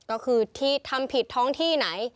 ก็คือที่ทำผิดท้องที่ไหน